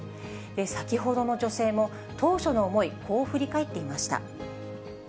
先ほどの女性も、当初の思い、こう振り返っていました。